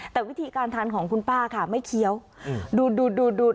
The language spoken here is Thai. แต่วิธีการทานของคุณป้าค่ะไม่เคี้ยวดูดูดูดู